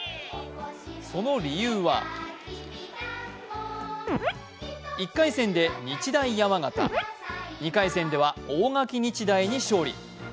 その理由は１回戦で日大山形、２回戦では大垣日大に勝利。